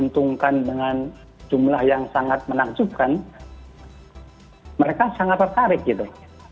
menguntungkan dengan jumlah yang sangat menakjubkan mereka sangat tertarik gitu